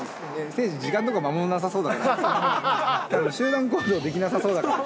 せいじ、時間とか守らなそうだから。